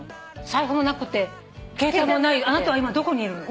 財布もなくて携帯もないあなたは今どこにいるの？